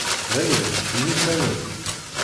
Dayen, temyussanem?